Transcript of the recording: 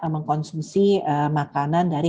mengkonsumsi makanan dari